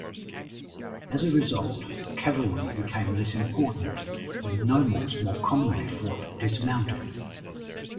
As a result, cavalry became less important and nobles more commonly fought dismounted.